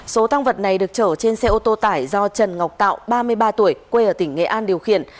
số tăng vật này được chở trên xe ô tô tải do trần ngọc tạo ba mươi ba tuổi quê ở tỉnh nghệ an điều khiển